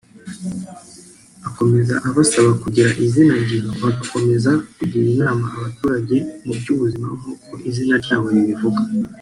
Akomeza abasaba kugira izina ngiro bagakomeza kugira inama abaturage mu by’ubuzima nk’uko izina ryabo ribivuga